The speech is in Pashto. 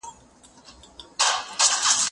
زه اوس د زده کړو تمرين کوم؟!